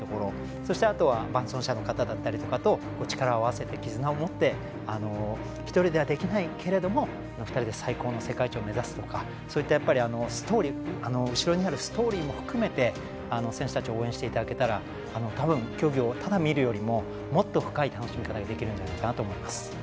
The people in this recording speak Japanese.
そして伴走者の方だったりとかと力を合わせて絆を持って１人ではできないけれども２人で最高の世界一を目指すとか、そういった後ろにあるストーリーも含めて選手たちを応援していただけたら競技をただ見るよりももっと深い楽しみ方ができるんじゃないかと思います。